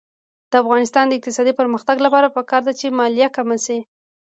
د افغانستان د اقتصادي پرمختګ لپاره پکار ده چې مالیه کمه شي.